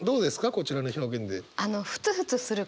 こちらの表現で。